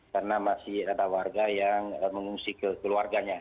karena masih ada warga yang mengungsi ke keluarganya